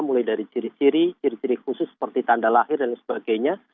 mulai dari ciri ciri ciri ciri khusus seperti tanda lahir dan sebagainya